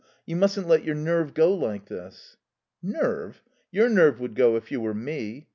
You mustn't let your nerve go like this." "Nerve? Your nerve would go if you were me.